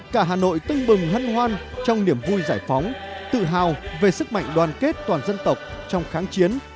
cả hà nội tưng bừng hân hoan trong niềm vui giải phóng tự hào về sức mạnh đoàn kết toàn dân tộc trong kháng chiến